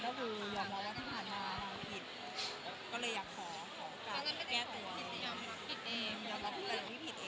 ถ้ายอมเงินวัฒนธาไมงิด